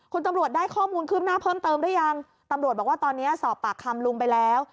คุณตำรวจได้ข้อมูลคืบหน้าเพิ่มเติมหรือยังตำรวจบอกว่าตอนนี้สอบปากคำลุงไปแล้ว